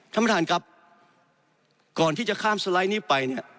ท่านประธานครับก่อนที่จะข้ามสไลด์นี้ไปเนี่ย